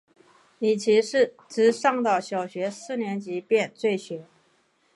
李琦只上到小学四年级便辍学。